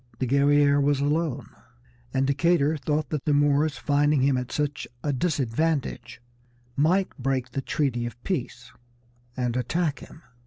The Guerrière was alone, and Decatur thought that the Moors, finding him at such a disadvantage, might break their treaty of peace, and attack him.